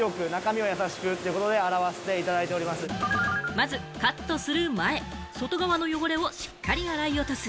まずカットする前、外側の汚れをしっかり洗い落とす。